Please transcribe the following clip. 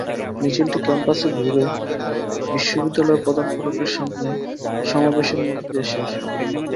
মিছিলটি ক্যাম্পাস ঘুরে বিশ্ববিদ্যালয়ের প্রধান ফটকের সামনে সমাবেশের মধ্য দিয়ে শেষ হয়।